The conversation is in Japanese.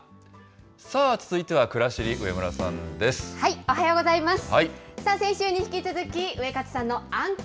さあ、続いてはくらしり、上村さおはようございます。